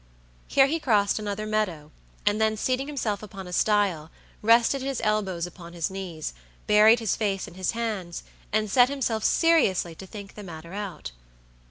Here he crossed another meadow, and then seating himself upon a stile, rested his elbows upon his knees, buried his face in his hands, and set himself seriously to think the matter out.